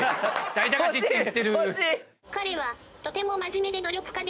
「だいたかし」って言ってる。